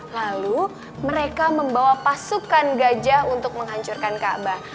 lalu mereka membawa pasukan gajah untuk menghancurkan kaabah